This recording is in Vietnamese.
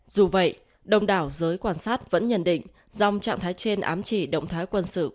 dù vậy đồng đảo giới quan sát vẫn nhận định dòng trạng thái trên ám chỉ động thái quân sự